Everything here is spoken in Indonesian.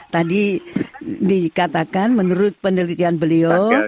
tadi dikatakan menurut penelitian beliau